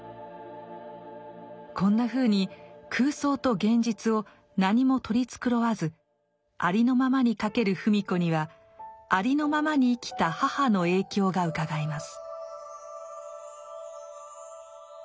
こんなふうに空想と現実を何も取り繕わずありのままに書ける芙美子にはありのままに生きた母の影響がうかがえます。